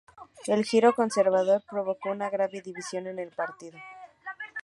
El giro conservador provocó una grave división en el partido.